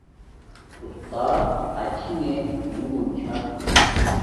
استات آچھنݣ نور چھا